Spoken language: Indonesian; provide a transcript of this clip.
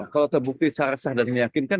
kalau terbukti searsah dan meyakinkan